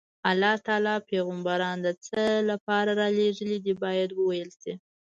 الله تعالی پیغمبران د څه لپاره رالېږلي دي باید وویل شي.